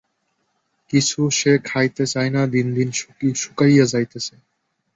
কিছু সে খাইতে চায় না, দিন দিন শুকাইয়া যাইতেছে।